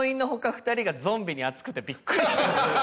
２人がゾンビに熱くてびっくりしてます。